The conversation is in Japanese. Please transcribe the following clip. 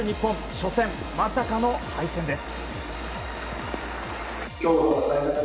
初戦、まさかの敗戦です。